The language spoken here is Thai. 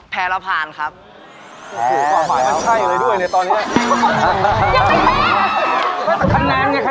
แผลปานครับไอ้ใช่เลยนะยังไม่แพ้